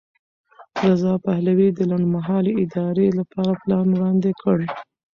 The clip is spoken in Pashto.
رضا پهلوي د لنډمهالې ادارې لپاره پلان وړاندې کړ.